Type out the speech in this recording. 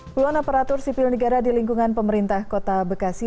puluhan aparatur sipil negara di lingkungan pemerintah kota bekasi